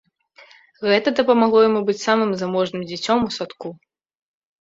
Гэта дапамагло яму быць самым заможным дзіцём у садку.